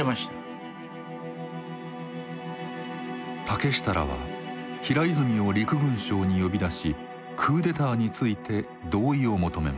竹下らは平泉を陸軍省に呼び出しクーデターについて同意を求めます。